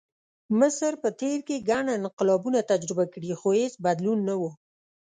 مصر په تېر کې ګڼ انقلابونه تجربه کړي، خو هېڅ بدلون نه و.